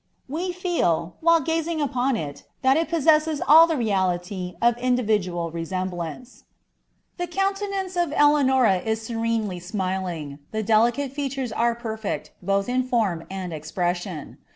We feel, while gazing upon it possesses all the reality of individual resemblance. The coun of Eleanora is serenely smiling; the delicate features are per th in form and expression.